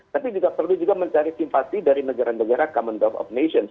tapi juga perlu mencari simpati dari negara negara commonwealth of nations